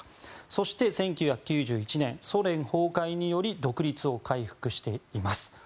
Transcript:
そして１９９１年ソ連崩壊により独立を回復しています。